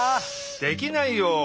できないよ。